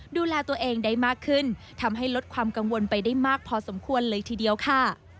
ดูแลตัวเองได้มากขึ้นทำให้ลดความกังวลไปได้มากพอสมควรเลยทีเดียวค่ะ